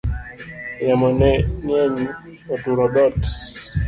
Yamo ne ng'eny oturo dhot